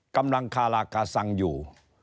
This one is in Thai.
กำลังคารากะสังอยู่